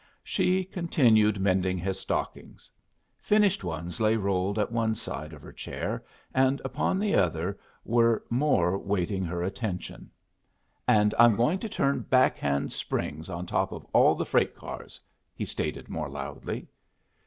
She continued mending his stockings. Finished ones lay rolled at one side of her chair, and upon the other were more waiting her attention. "And I'm going to turn back hand springs on top of all the freight cars," he stated, more loudly.